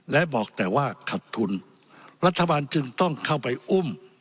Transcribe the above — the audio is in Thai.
และบอกแต่ว่าขัดทุนรัฐบาลจึงต้องเข้าไปอุ้ม